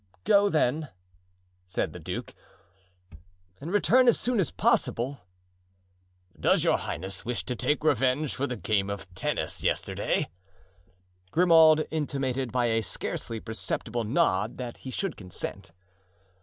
"Go, then," said the duke, "and return as soon as possible." "Does your highness wish to take revenge for the game of tennis yesterday?" Grimaud intimated by a scarcely perceptible nod that he should consent.